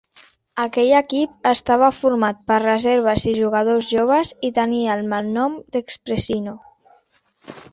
Aquell equip estava format per reserves i jugadors joves i tenia el malnom d'"Expressinho".